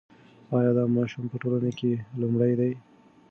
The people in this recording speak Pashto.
ایا دا ماشوم په ټولګي کې لومړی دی؟